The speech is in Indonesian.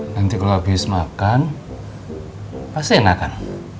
nanti kalau habis makan pasti enakan